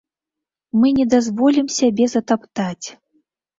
Мы не дазволім сябе затаптаць!